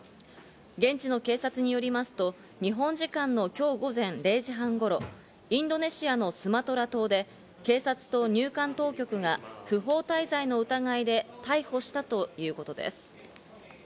現地の警察によりますと日本時間の今日午前０時半頃、インドネシアのスマトラ島で警察と入管当局が不法滞在の疑いで逮捕したということです。